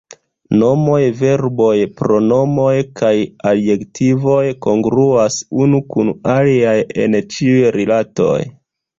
Nomoj, verboj, pronomoj kaj adjektivoj kongruas unu kun aliaj en ĉiuj rilatoj.